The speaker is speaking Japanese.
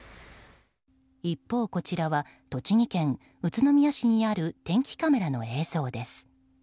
一方こちらは栃木県宇都宮市にある天気カメラの映像です。